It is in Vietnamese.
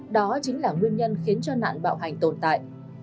đó chính là nguyên nhân khiến cho nạn bạo hành tồn tại